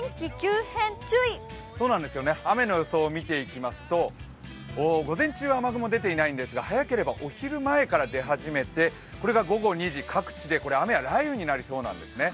雨の予想を見ていきますと、午前中は雨雲は出ていないんですが、早ければお昼前から出始めてこれが午後２時、各地で雨や雷雨になりそうなんですね。